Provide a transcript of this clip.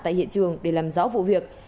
tại hiện trường để làm rõ vụ việc